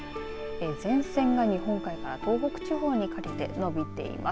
前線が日本海から東北地方にかけて延びています。